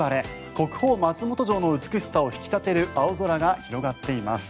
国宝・松本城の美しさを引き立てる青空が広がっています。